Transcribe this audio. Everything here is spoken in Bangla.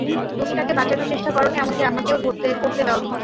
তুমি তাকে বাচানোর চেষ্টা করনি এমনকি আমাকেও করতে দাও নি।